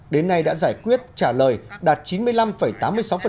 đến nay đã giải quyết trả lời đạt chín mươi năm tám mươi sáu